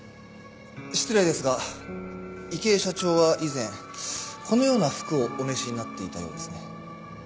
失礼ですが池井社長は以前このような服をお召しになっていたようですね。